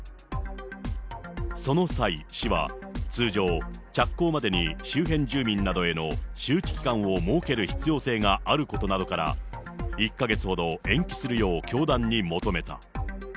その際、市は、通常、着工までに周辺住民などへの周知期間を設ける必要性があることなどから、１か月ほど、延期するよう教団に求めた。